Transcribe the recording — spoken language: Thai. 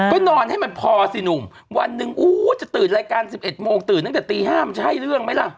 ก็นอนให้มันพอสิหนุ่มวันหนึ่งอู้จะตื่นรายการ๑๑โมงตื่นตั้งแต่ตี๕มันใช่เรื่องไหมล่ะ